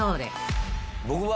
僕は。